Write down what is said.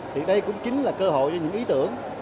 thì đây cũng chính là cơ hội cho những ý tưởng